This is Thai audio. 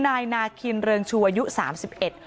นายนาคินเริงชูอายุ๓๑